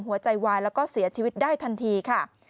หัวใจวายแล้วก็เสียชีวิตได้ทันทีค่ะ